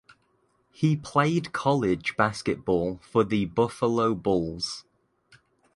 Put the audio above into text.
He played college basketball for the Buffalo Bulls.